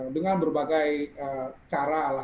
dengan berbagai cara